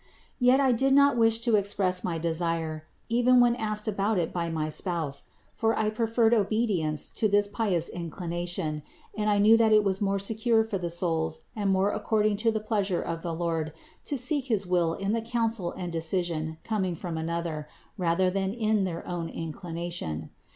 Yet I did not wish THE INCARNATION 465 to express my desire, even when asked about it by my spouse; for I preferred obedience to this pious inclina tion, and I knew that it is more secure for the souls and more according to the pleasure of the Lord to seek his will in the counsel and decision coming from other, rather than in their own inclination.